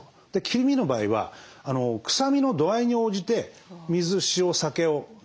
切り身の場合は臭みの度合いに応じて水塩酒を段階的に使います。